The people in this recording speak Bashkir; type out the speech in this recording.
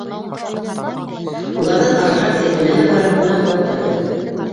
Уларҙан арыраҡ Зәйтүнәһе барып ҡунаҡлап та өлгөргән.